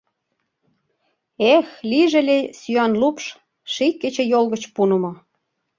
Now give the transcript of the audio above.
Эх, лийже ыле сӱан лупш Ший кечыйол гыч пунымо.